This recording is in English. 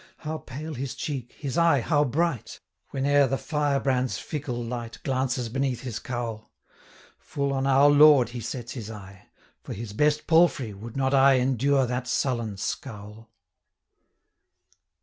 How pale his cheek, his eye how bright, 100 Whene'er the firebrand's fickle light Glances beneath his cowl! Full on our Lord he sets his eye; For his best palfrey, would not I Endure that sullen scowl.'